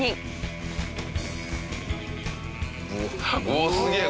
おっすげえ！